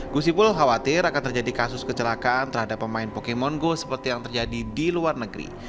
gus ipul khawatir akan terjadi kasus kecelakaan terhadap pemain pokemon go seperti yang terjadi di luar negeri